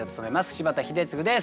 柴田英嗣です。